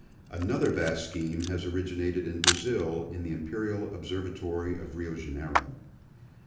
Another vast scheme has originated in Brazil in the Imperial Observatory of Rio Janeiro.